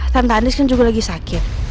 tante anies kan juga lagi sakit